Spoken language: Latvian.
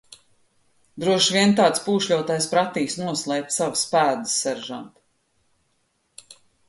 Droši vien tāds pūšļotājs pratīs noslēpt savas pēdas, seržant!